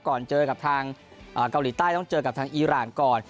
ก่อนเจอกับทางเกาหลีใต้ต้องเจอกับทางอีรานก่อน